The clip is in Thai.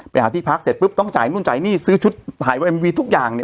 ไปหาที่พักเสร็จปุ๊บต้องจ่ายนู่นจ่ายนี่ซื้อชุดถ่ายเอ็มวีทุกอย่างเนี่ย